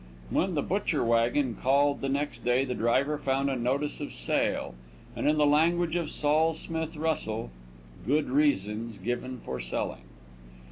When the butcher wagon called the next day the driver found a notice of sale, and in the language of Sol Smith Russell, "Good reasons given for selling."